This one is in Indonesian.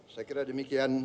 saya kira demikian